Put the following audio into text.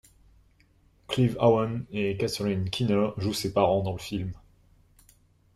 Clive Owen et Catherine Keener jouent ses parents dans le film.